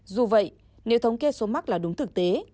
dù vậy nếu thống kê số mắc là đúng thực tế